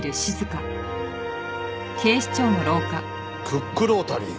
クックロータリー？